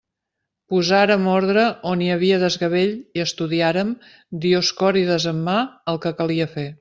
Posàrem ordre on hi havia desgavell i estudiàrem, Dioscòrides en mà, el que calia fer.